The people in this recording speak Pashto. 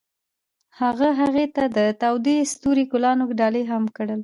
هغه هغې ته د تاوده ستوري ګلان ډالۍ هم کړل.